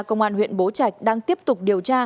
công an huyện bố trạch đang tiếp tục điều tra